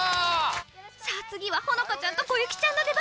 さあ次はホノカちゃんとコユキちゃんの出番